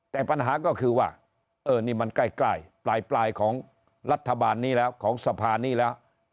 แต่ปัญหาก็คือว่าเออนี่มันใกล้ปลายของรัฐบาลนี้แล้วของสภานี้แล้ว